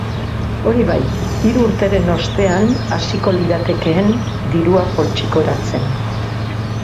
Hori bai, hiru urteren ostean hasiko liratekeen dirua poltsikoratzen.